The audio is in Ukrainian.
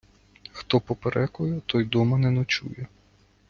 хто поперекує, той дома не ночує